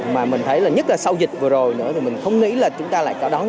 mà mình thấy là nhất là sau dịch vừa rồi nữa thì mình không nghĩ là chúng ta lại có đón một cái tết